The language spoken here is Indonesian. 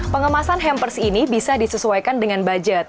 pengemasan hampers ini bisa disesuaikan dengan budget